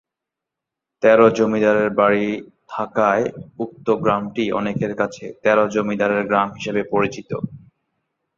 তের জমিদারের বাড়ি থাকায় উক্ত গ্রামটি অনেকের কাছে তের জমিদারের গ্রাম হিসেবে পরিচিত।